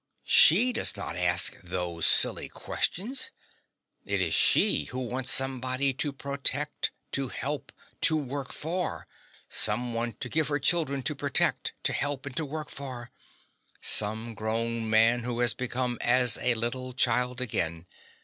She does not ask those silly questions. It is she who wants somebody to protect, to help, to work for somebody to give her children to protect, to help and to work for. Some grown up man who has become as a little child again.